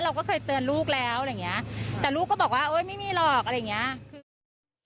เราก็เคยเตือนลูกแล้วอะไรอย่างเงี้ยแต่ลูกก็บอกว่าเอ้ยไม่มีหรอกอะไรอย่างเงี้ย